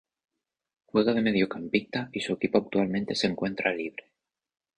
Juega de mediocampista y su equipo actualmente se encuentra libre.